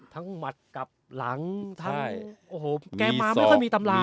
ทั้งหมัดกับหลังแกมาไม่ค่อยมีตำรา